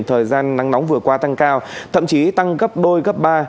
thời gian nắng nóng vừa qua tăng cao thậm chí tăng gấp đôi gấp ba